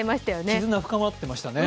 絆、深まってましたよね。